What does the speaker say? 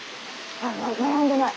あっ並んでない。